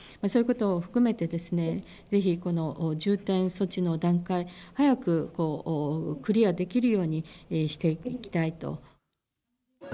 そういうことを含めて、ぜひ、この重点措置の段階、早くクリアできるようにしていきたいと。